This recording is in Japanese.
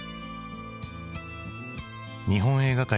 日本映画界